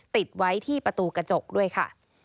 ติดไว้ที่ประตูกระจกด้วยค่ะ